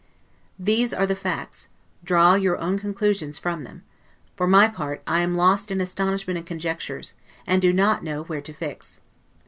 These are the facts, draw your own conclusions from them; for my part, I am lost in astonishment and conjectures, and do not know where to fix.